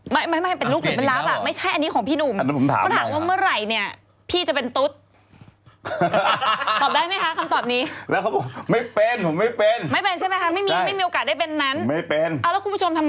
ไม่เป็นลูกหรือเป็นรับไม่ใช่อันนี้ของพี่นุ่ม